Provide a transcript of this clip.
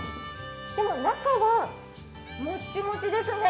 でも中はもっちもちですね！